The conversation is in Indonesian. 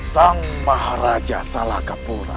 sang maharaja salakapura